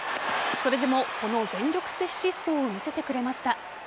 それでもこの全力疾走を見せてくれました。